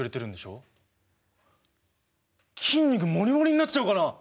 筋肉モリモリになっちゃうかな？